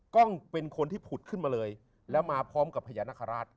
กล้องเป็นคนที่ผุดขึ้นมาเลยแล้วมาพร้อมกับพญานาคาราช